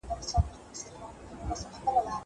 زه مخکي موسيقي اورېدلې وه!